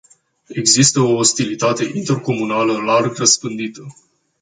Există o ostilitate intercomunală larg răspândită.